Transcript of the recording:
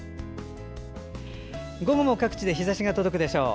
午後も各地で日ざしが届くでしょう。